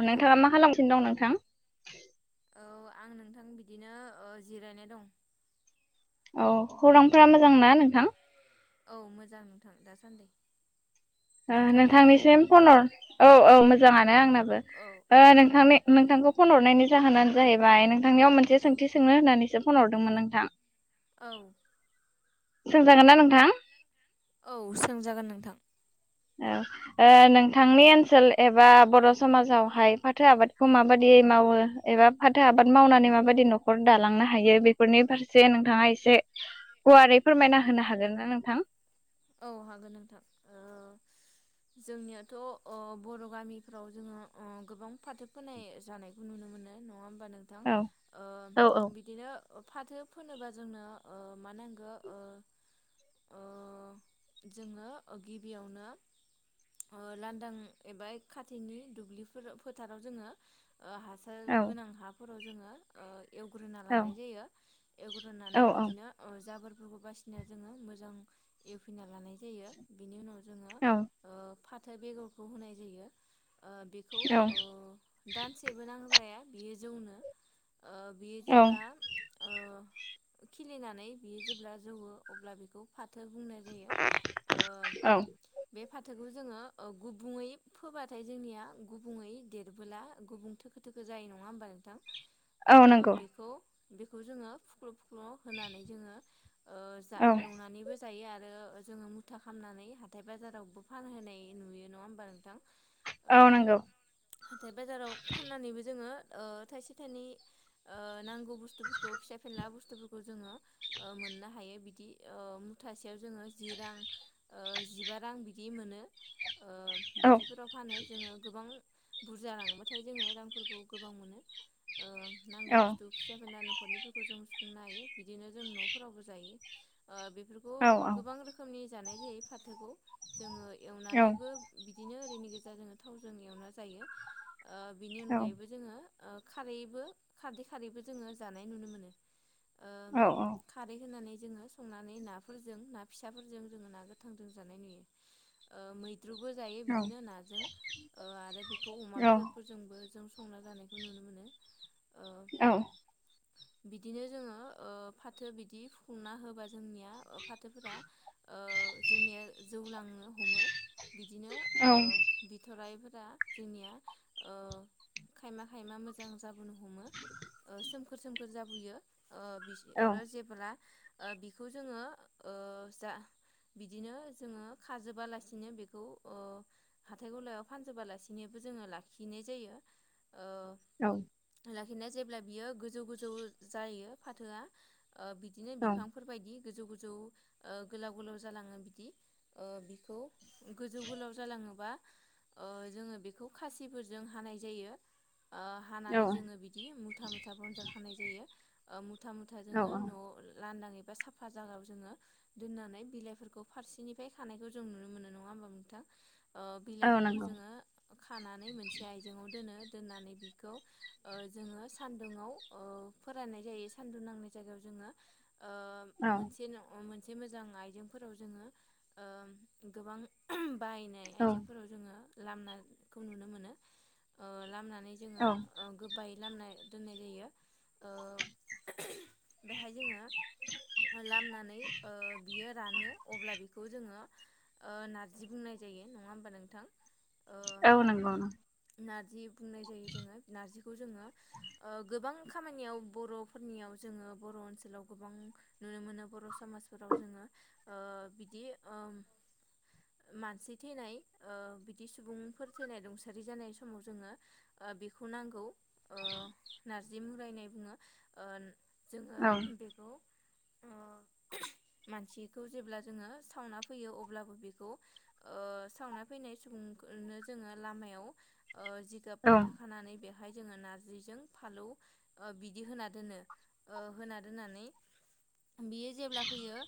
अ नोंथाङा खोनादों मा खालामगासिनो दं नोंथां। औ आं नोंथां बिदिनो जिरायनाय दं। औ खौरांफोरा मोजांना नोंथां? औ मोजां नोंथां दासान्दि। नोंथांनियालाय नोंथांनिसिम फन हर औ औ मोजाङानो आंनाबो औ नोंथांनि नोंथांखौ फन हरनायनि जाहोनानो जाहैबाय नोंथांनियाव मोनसे सोंथि सोंनो होननानैसो फन हरदोंमोन नोंथां। औ। सोंजागोन ना नोंथां? औ सोंजागोन नोंथां। ओ नोंथांनि ओनसोल एबा बर' समाजावहाय फाथो आबादखौ माबादि मावो एबा फाथो आबाद मावनानै माबादि न'खर दालांनो हायो बेफोरनि फारसे नोंथाङा एसे गुवारै फोरमायना होनो हागोन ना नोंथां? औ हागोन नोंथां। [inaudible] जोंनियाथ' अ बर' गामिफ्राव जोङो ओ गोबां फाथो फोनाय जानायखौ नुनो मोनो नङा होम होमबा नोंथां औ ओ औ औ। बिदिनो फाथो फोनोबा जोंनो ओ मा नांगो ओ जोङो ओ गिबियावनो ओ लांदां एबा खाथिनि दुब्लिफोर फोथाराव जोङो ओ हासार औ गोनां हाफोराव जोङो ओ एवग्रोना औ लानाय जायो औ एवग्रोनानै बिदिनो ओ जाबोर फोरखौ बासिनाय जोङो मोजां एवफिना लानाय जायो बिनि उनाव जोङो औ ओ फाथो बेगरखौ होनाय जायो बेखौ औ। दानसेबो नांलाया। बियो जौनो ओ बियो औ जेब्ला ओ खिलिनानै बियो जेब्ला जौवो अब्ला बेखौ फाथो बुंनाय जायो ओ औ बे फाथोखौ जोङो ओ गुबुङै फोबाथाय जोंनिया गुबुङै देरबोला गुबुं थोखो थोखो जायो नङा होमबा नोंथां? औ ओ नंगौ। बेखौ बेखौ जोङो फुख्ल' फुख्ल' होनानै जोङो ओ जा औ एवनानैबो जायो आरो। आरो जोङो मुथा खामनानै हाथाय बाजारावबो फानहोनाय नुयो नङा होमबा नोंथां। औ नंगौ हाथाय बाजाराव फाननानैबो जोङो ओ थाइसे थाइनै ओ नांगौ बुस्थुफोरखौ फिसा फेनला बुस्थुफोरखौ जोङो ओ मोननो हायो बिदि ओ मुथासे जोङो जि रां ओ जिबा रां बिदि मोनो। ओ औ बिदिफोराव फानो जोङो गोबां बुरजा लाङोबाथाय जोङो रांफोरखौ गोबां मोनो। ओ नांगौ औ बुस्थु फिसा फैला न'खरनिफोर सुंनो हायो बिदिनो जों न'फोराव जायो ओ बेफोरखौ औ औ गोबां रोखोमनि जानाय जायो फाथोखौ जोडो औ एवनानैबो बिदिनो ओरैनि गेजेर जोङो थावजों एवना जायो बिनि अनगायैबो जोङो ओ खारैबो खारदै खारैबो जोङो जानाय नुनो मोनो। ओ औ खारै होनानै जोङो संनानै ना फोरजों ना फिसाफोरजों जोङो ना गोथांजों जानाय नुयो ओ मै बिदिरबो जायो औ बिदिनो नाजों ओ आरो बेखौ अमा बेदरफोरजोंबो जों संना जानायखौ नुनो मोनो ओ औ। बिदिनो जोङो ओ फाथो बिदि फुुंना होबा जोंनिया फाथोफोरा ओ जोंनिया जौ लांनो हमो। बिदिनो ओ बिथ'राइफोर जोंनिया ओ खायमा -खायमा मोजां जाबोनो हमो। सोमखोर -सोमखोर जाबोयो [unintelligible] आरो जेब्ला बिखौ जोङो ओ जा बिदिनो जोङो खाजोबालासिनो बेखौ ओ हाथाय गलायाव फानजोबालासिनो जोङो लाखिनाय जायो। औ। बेखायनो जेब्ला बियो गोजौ- गोजौ जायो फाथोआ ओ बिदिनो औ बिफांफोर बायदि। गोजौ गोलाव -गोलाव जालाङो बिदि ओ बिखौ गोजौ गोलाव जालाङोबा ओ जोङो बेखौ खासिफोरजों हानाय जायो। ओ औ हानानै जोङो बिदि मुथा -मुथा बनजार खानाय जायो ओम मुथा- मुथा जोङो न'आव लानदाङै एबा साफा जोङो दोननानै बिलाइफोरखौ फारसेनिफ्राय खानायखौ जों नुनो मोनो नङा होमबा नोंथां? ओ औ बिलाइफोरखौ नंगौ जोङो खानानै मोनसे आइजेंवा दोनो। दोननानै बिखौ ओ जोङो सान्दुुं ओ फोराननाय जायो सानदुं नांनाय जायगायाव जों आङो औ मोनसे मोजां आइजेंफोराव ओ जोङो गोबां बायनाय औ आइजेंफोराव जोङो लामनाखौ नुनो मोनो ओ लाम जोङो गोबाय लामना दोननाय जायो ओ बेहाय जोङो लामनानै ओ बियो रानो अब्ला बिखौ जोङो ओ नारजि बुंनाय जायो। नङा होमबा नोंथां? ओ औ नांगौ। नारजि बुंनाय जायो जोङो नारजिखौ जोङो ओ गोबां खामानियाव बर'फोरनियाव जोङो बर' ओनसोलाव गोबां नुनो मोनो बर' समाजफोराव जोङो ओ बिदि ओ मानसि थैनाय ओ बिदि सुबुंफोर थैनाय रुंसारि जानाय समाव जोङो बेखौ नांगौ ओ नारजि मुरायनाय बुङो। जोङो औ बेखौ ओ [unintelligible] मानसिखौ जेब्ला जोङो सावना फैयो अब्लाबो बेखौ ओ सावना फैनाय सुबुं [unintelligible] जोङो लामायाव ओ औ जिगाब मुथाखानानै बे बेहाय जोङो नारजिजों फालौ बिदि होना दोनो होना दोननानै बियो जेब्ला फैयो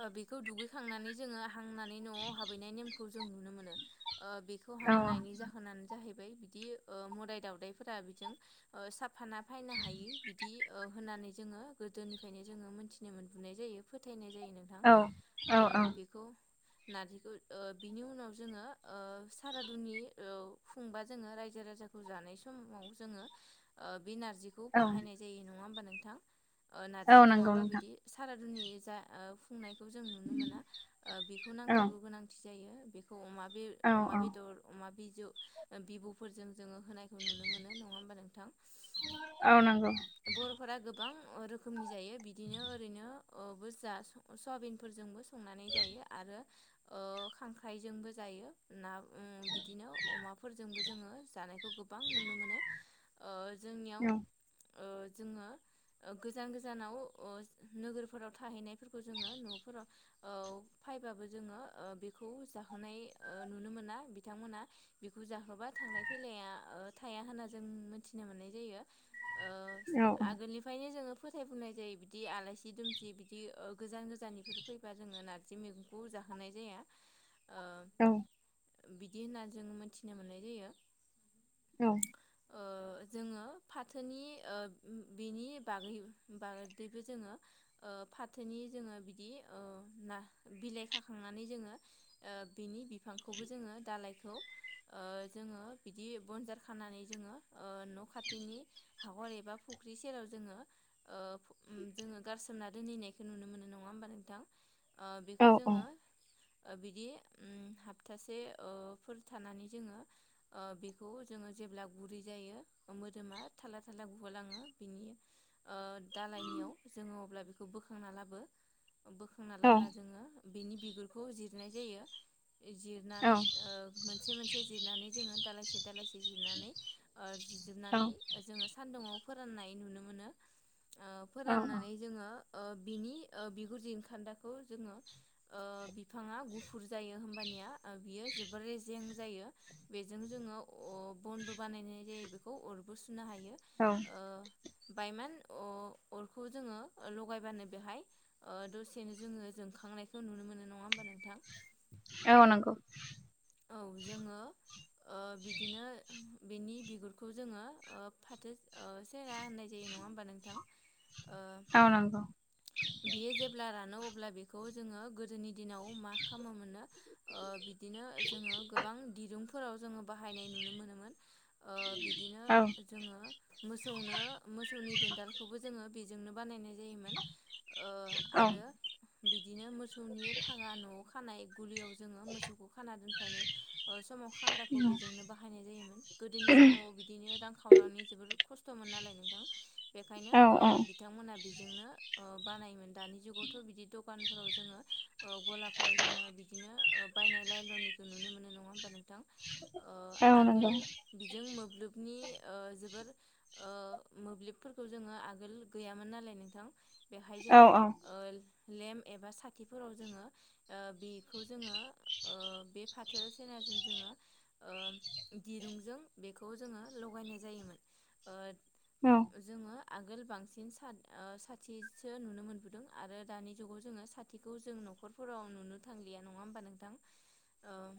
ओ बेखौ दुगैखांनानै जोङो हांनानै न'आव हाबहैनाय नेम जों नुनो मोनो। बेखौ औ हामनायनि जाहोनानो जाहैबाय [unintelligible] इबि ओ म'दाय दावदाइफोरा बिथिं ओ [unintelligible] फाना फायनो हायि बिदि ओ होननानै जोङो गोदोनिफ्रायनो जोङो मोनथि [unintelligible] जायो फोथायनाय जायो नोंथां औ औ ओ बेखौ नारजिखो ओ बिनि उनाव जोङो ओ सारादुनि औ खुंबा जोङो रायजो -राजा जानाय समाव जोंङो ओ बे नार्जिखौ बाहायनाय जायो नङा होमबा नोंथां? ओ औ नार्जि नंगौ नङाबा नोंथां बिदि सारादुनि जा ओ फुंनायखौ जों नुनो मोना ओ बिखौ औ नांथारगौ गोनांथि जायो बे [unintelligible] अमा औ -अमा बेदर अमा बिजौ ओ बिबुफोरजों जोंङो होनायखौ नुनो मोनो नङा होमबा नोंथां? औ नंगौ बर'फोरा [unintelligible] [unintelligible] रोखोमनि जायो बिदिनो ओरैनो ओ बो जा सवाबिनफोरजोंबो संनानै जायो आरो ओ खांख्राइजोंबो जायो ना उम बिदिनो अमाफोरजोंबो जोङो जानायखौ गोबां नुनो मोनो ओ जोंनियाव औ ओ जोङो ओ गोजान गोजानाव ओ नोगोरफोराव थाहैनायफोरखौ जोंङो न'फोराव औ फायबाबो जोंङो ओ बेखौ जाहोनाय ओ नुनो मोना बिथांमोना बेखौ जाहोबा थांलाय फैलाया ओ थाया होनना ज जों मोन्थिनो मोननाय जायो ओ औ आगोलनिफायनो जोंङो फोथायबोनाय जायो बि बिदि आलायसि दुमसि बिदि ओ गोजान गोजाननिफोर फैबा जोंङो नारजि मेगंखौ जाहोनाय जाया। ओ बिदि होनना जों मोनथिनो मोननाय जायो। औ ओ जोंङो फाथोनि ओ बिनि बागै बाग [unintelligible] जोङो ओ फाथोनि जोंङो बिदि ओ ना बिलाइ खाखांनानै जोंङो - - ओ बिनि बिफांखौबो जोंङो दालायखौ ओ जोंङो बिदि बनजार खानानै जोंङो ओ न' खाथिनि हाखर एबा फु फुख्रि सेराव जोंङो ओ उम जोङो गारसोमना दोनहैनायखो नुनो मोनो नोंङा होमबा नोंथां ओ बेखौ औ औ जोंङो ओ बिदि उम हप्थासे ओ फोर थानानै जोंङो ओ बिखौ जोंङो जेब्ला गुरै जायो मोदोमा थाला थाला गुगालाङो बिनि ओ दालायनियाव जोंङो अब्ला बिखौ बोखांना लाबो बोखांना औ लाबोना जोंङो बिनि बिगुरखौ जिरनाय जायो औ जिरनानै नंगौ ओ मोन मोनसे मोनसे जिरनानै जोंङो दालायसेे दलाइसि जिरनानै ओ जिरजोबनानै ओ जोंङो सान्दुंयाव फोराननाय नुनो मोनो ओ फोराननानै जोंङो ओ बिनि ओ बिगुर जिरखान्दाखौ जोंङो ओ बिफाङा गुफुर जायो होमबानि निया ओ बियो जोबोर रेजें जायो बेजों जोंङो अ बनबो बानायनाय जायो बेखौ। अरबो सुनो हायो ओ बायमान अ [inaudible] अरखौ जोंङो लगायबानो बेहाय ओ दसेनो जोंङो जोंखांनायखौ नुनो मोनो नङा होमबा नों थां औ नंगौ औ जोंङो ओ बिदिनो बेनि बिगुरखौ जोंङो ओ फाथो ओ से [unintelligible] होननाय जायो नङा होमबा नोंथां ओ औ नंगौ बियो जेब्ला रानौ अ अब्ला बेखौ जोंङो गोदोनि दिनाव माखामो मोननो ओ बिदिनो जोंङो गोबां दिरुंफोराव जोंङो बाहायनाय नुनो मोनोमोन। ओ बिदिनो औ जोऔङो मोसौनो मोसौनि देनदालखौबो जोंङो बे जोंनो बानायनाय जायोमोन ओ औ आरो बिदिनो मोसौनि फागा न' खानाय गलियाव जोऔङो मोसौखौ खाना दोनफायनाय ओ समाव खाग्राखौ औ बेजोंनो बाहायनाय जायोमोन गोदोनि समाव बिदिनो रां खावरानि जोबोर खस्थ'मोन नालाय नोंथां बेखायनो औ बिथांमोनहा बेजोंनो बानायमोन। दानि जुगावथ' बिदिथ' दखानफोराव जोंङो गलाफोराव जोंङो बिदिनो बायनाय लायल'नि नुनो मोननाय ना हा नोंथां औ आगोल नंगौ बिजों मोब नि जोबोर मोब्लिबफोरखौ जोंङो आगोल गैयामोन नालाय नोंथां। बेहाय औ जोंङो ओ लेम्प एबा साखिफोराव जोंङो ओ बेखौ जोंङो ओ बे फाथो सनाजों जोङो दिरुंजों बेखौ जोङो लगायनाय जायोमोन। औ ओ जोंङो आगोल बांसिन स साथिसो नुनो मोनबोदों आरो दानि जुगाव जोंङो साथिखौ जों न'खरफोराव नुनो थांलिया नङा होमबा नोंथां।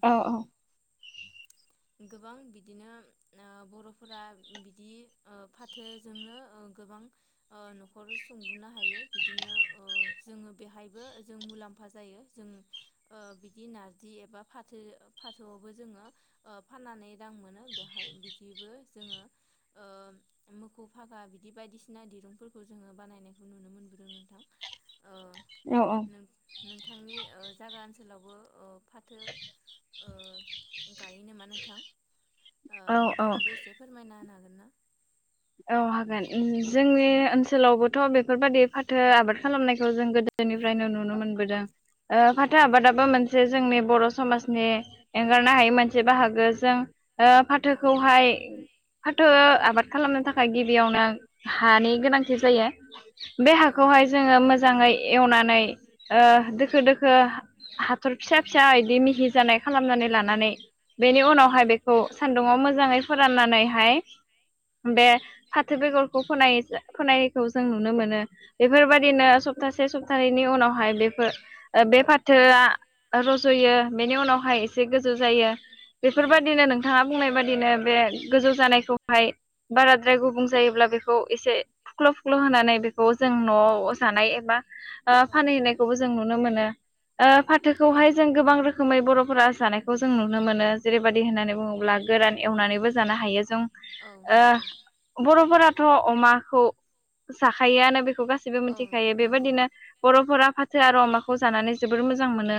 औ औ गोबां बिदिनो बर'फोरा बिदि फाथो जोंनो गोबां ओ न'खर सुंबोनो हायो बिदिनो ओ जोङो बेहायबो जों मुलाम्फा मुलाम्फा जायो जों ओ बिदि नारजि एबा फाथो फाथोआवबो जोङो [inaudible] [unintelligible] रां मोनो बेवहाय बिदिबो जोङो ओ [unintelligible] बिदि बायदिसिना ना दिरुंफोरखौ जोङो बानायनायखौ नुनो मोनबोदों नोंथां। ओ औ औ नों-नोंथांनि ओ जायगा [unintelligible] ओ फाथो ओ गायो नामा नोंथां? ओ औ नोंथाङाबो एसे फोरमायना होनो हागोन। ना? औ हागोन जोंनि औ ओनसोलावबोथ' बे फोरबायदि फाथो आबाद खालामनायखौ जों गोदोनिफ्रायनो नुनो मोनबोदों। ओ औ फाथो आबादाबो मोन से जोंनि बर' समाजनि एंगारनो हायै मोनसे बाहागो जों ओ फाथोखौहाय फाथो आबाद खालामनो था खाय गिबियावनो हानि गोनांथि जायो बे औ हाखौहाय नंगौ औ जोङो मोजाङै एवनानै ओ दोखो दोखो हाथर फिसा फिसा इदि मिहि जानाय खालामनानै लानानै बेनि औ उनावहाय बेखौ सान्दुङआव मोजाङै फोराननानैहाय बे फाथो बेगरखौ फोनाय-फोनायखौ जों नुनो मोनो औ बेफोरबायदिनो सप्तासे स [unintelligible] उनावहाय बेफोर ओ बे फाथोआ रज'यो बेनि उनावहाय एसे गोजौ जायो। बेफोरबायदिनो नोंथाङा बुंनाय बायदिनो बे गोजौ जानायखौहाय बारा [unintelligible] गुबुं जायोब्ला बेखौ एसे फुख्ल' फुख्ल' होनानै बेखौ जों न'आव जानाय एबा ओ फानहैनायखौबो जों नुनो मोनो ओ फाथोखौहाय जों गोबां रोखोम खोमै बर'फोरा जानायखौ जों नुनो मोनो जेरैबादि होननानै बुङोब्ला गोरान एवनानैबो जानो हायो जों औ नंगौ‌। न'फोराथ' अमाखौ जाखायोआनो बे खौ गासैबो औ मोनथिखायो नंगौ बेबायदिनो बर'फोरा फाथो आरो अमाखौ जानानै जोबोर मोजां मोनो।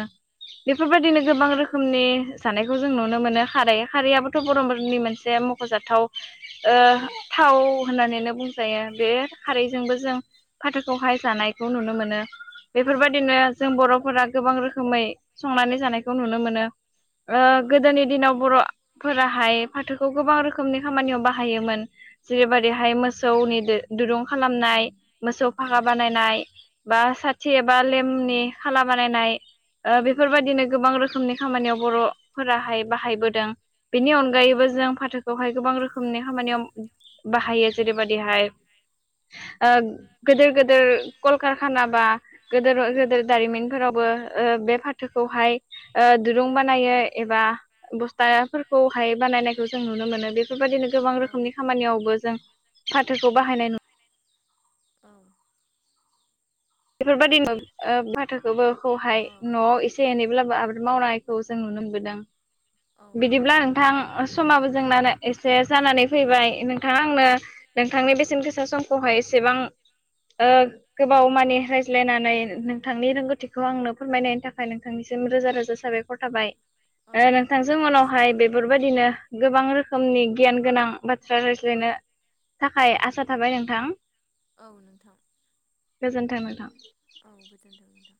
औ बेफोरबायदिनो गोबां रोखोमनि जानायखौ जों नुनो मोनो खारै खारैयाबोथ' बर'मनि मोनसे मख'जाथाव औ ओ औ होननानैनो बुंजायो बे खारैजोंबो जों फाथोखौहाय जानायखौ नुनो मोनो। औ बेफोरबायदिनो जों बर'फोरा गोबां रोखोमै संनानै जानायखौ नुनो मोनो। ओ गोदोनि दिनाव बर' फोराहाय फाथोखौ गोबां रोखोमनि खामानियाव बाहायोमोन। जेरैबायदिहाय मोसौनि [unintelligible] दुरुं खालामनाय मोसौ औ फाखा बानायनाय बा साथि एबा लेमनि खाला बानायनाय। ओ बेफोरबायदिनो गोबां रोखोमनि खामानियाव बर'फोराहाय बाहायबोदों। बेनि अनगायैबो जों फाथोखौहाय गोबां रोखोमनि खामानियाव बाहायो जेरैबादिहाय ओ गोदोर गो दोर कलकारखाना बा गोदोर औ गोदोर दारिमिनफोरावबो ओ बे फा थोखौहाय ओ दुरुं बानायो एबा बस्थाफोरखौहाय बानायनायखौ जों नुनो मोनो बेफोरबायदिनो गोबां रोखोमनि खामानियावबो जों फाथोखौ बाहायनाय औ। बेफोरबायदि ओ फाथोखौबोहाय औ नआव एसे एनै ब्लाबो आबाद मावनायखौ जों नुनो मोनबोदों जों बिदिब्ला नोंथां समाबो जोंनानै एसे जानानै फैबाय नोंथाङा आंनो नोंथांनि बेसेन गोसा समखौहाय एसेबां ओ गोबाव माने रायज्लायनानै नोंथांनि रोंगौथिखौ आंनो फोरमायनायनि थाखाय नोंथांनिसिम रोजा रोजा साबायखर थाबाय। औ ओ नोंथांजों उनावहाय बेफोरबायदिनो गोबां रोखोमनि गियान गोनां बाथ्रा रायज्लायनो थाखाय आसा थाबाय नोंथां। औ नोंथां गोजोन्थों नोंथां। औ गोजोनथों नोंथां।